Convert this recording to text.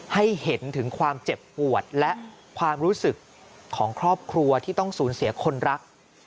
ให้เห็นถึงความเจ็บปวดและความรู้สึกของครอบครัวที่ต้องสูญเสียคนรัก